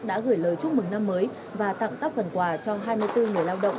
đã gửi lời chúc mừng năm mới và tặng các phần quà cho hai mươi bốn người lao động